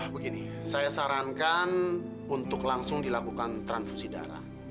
begini saya sarankan untuk langsung dilakukan transfusi darah